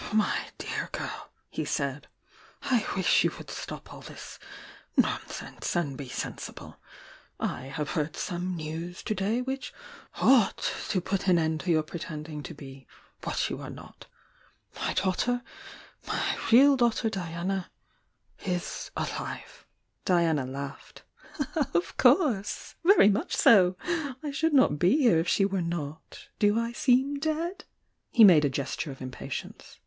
"Mv dear girl," he said. "I wish you would stop all this nonsense and be sensible ! I have heard some news to day which ought to put an end to your pre tending to be what you are not. My daughter— my real daughter Dianar is alive." Diana laughed. . r i. u * u« v.»~ "Of course! Very much so! I should not be here if she were not. Do I seem dead?" He made a gesture of impatience.